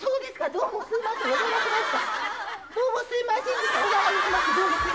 どうもすいませんでした。